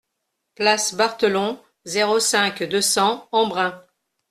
Place Barthelon, zéro cinq, deux cents Embrun